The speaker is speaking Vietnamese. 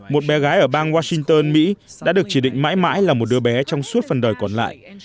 một bé gái ở bang washington mỹ đã được chỉ định mãi mãi là một đứa bé trong suốt phần đời còn lại